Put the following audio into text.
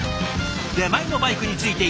出前のバイクについていき